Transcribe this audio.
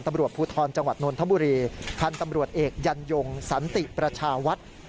ตำรวจภูทธรณจนนทบุรีทตำรวจเอกยันยงสประชาวัฒน์